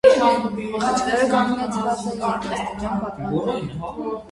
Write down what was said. Խաչքարը կանգնեցված է երկաստիճան պատվանդանին։